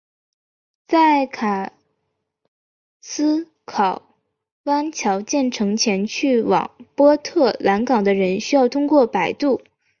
在卡斯考湾桥建成前去往波特兰港的人需要通过摆渡。